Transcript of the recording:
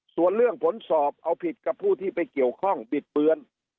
ส่วนเรื่องผลสอบเอาผิดกับผู้ที่ไปเกี่ยวข้องบิดเบือน